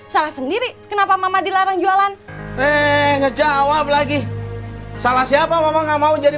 salah sendiri kenapa mama dilarang jualan eh ngejawab lagi salah siapa mama nggak mau jadi